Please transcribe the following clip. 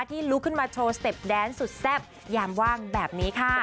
ลุกขึ้นมาโชว์สเต็ปแดนสุดแซ่บยามว่างแบบนี้ค่ะ